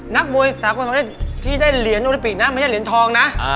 นักมวย๓คนที่ได้เหรียญโอลิปิกนะไม่ใช่เหรียญทองนะ